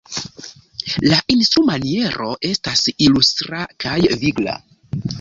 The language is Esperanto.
La instrumaniero estas ilustra kaj vigla.